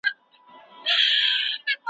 چي پاچا د غوړه مالو دا منلې